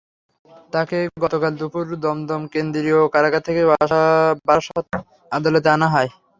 তাঁকে গতকাল দুপুরে দমদম কেন্দ্রীয় কারাগার থেকে বারাসাত আদালতে আনা হয়।